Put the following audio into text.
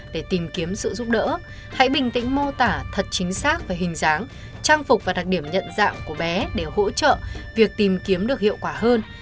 để tìm kiếm sự giúp đỡ hãy bình tĩnh mô tả thật chính xác về hình dáng trang phục và đặc điểm nhận dạng của bé để hỗ trợ việc tìm kiếm được hiệu quả hơn